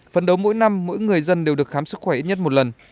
phấn đấu mỗi năm mỗi người dân đều được khám sức khỏe ít nhất một lần